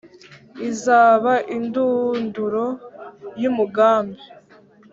izaba indunduro y’umugambi?